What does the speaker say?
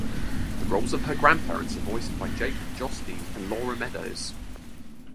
The roles of her grandparents are voiced by Jakob Josten and Laura Meadows.